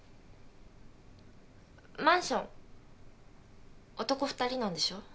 マンション男２人なんでしょ？